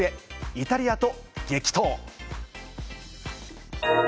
イタリアと激闘。